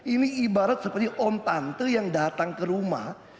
ini seperti orang tua yang datang ke rumah